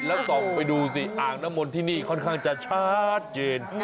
แล้วส่องไปดูสิอ่างน้ำมนที่นี่ค่อนข้างจะชัดเจน